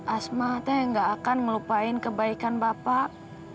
asma tuh yang nggak akan ngelupain kebaikan bapak